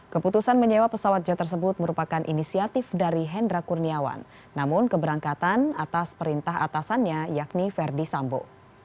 keputusan menyewa pesawat jet tersebut merupakan inisiatif dari hendra kurniawan namun keberangkatan atas perintah atasannya yakni verdi sambo